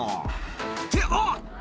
「ってあっ！